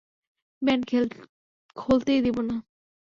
Band খোলতেই দিব না।